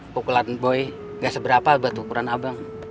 pukulan boy ga seberapa buat ukuran abang